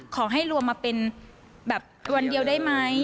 ขอให้รวมมาเป็นแบบวันเดียวได้ไหม